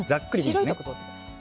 白いとこ取ってください。